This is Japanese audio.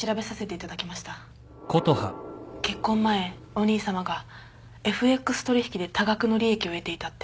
結婚前お兄さまがＦＸ取引で多額の利益を得ていたって。